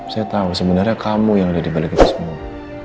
saya tahu sebenarnya kamu yang ada di balik itu semua